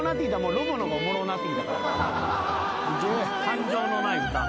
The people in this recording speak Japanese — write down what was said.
感情のない歌。